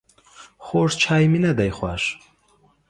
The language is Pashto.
خوږ چای مي نده خوښ